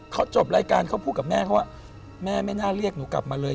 เขาจบรายการเขาพูดกับแม่เขาว่าแม่ไม่น่าเรียกหนูกลับมาเลย